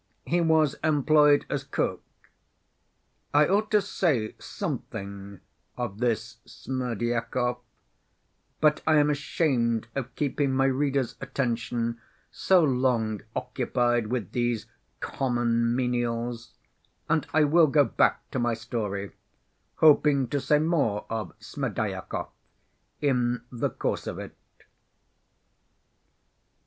He was employed as cook. I ought to say something of this Smerdyakov, but I am ashamed of keeping my readers' attention so long occupied with these common menials, and I will go back to my story, hoping to say more of Smerdyakov in the course of it.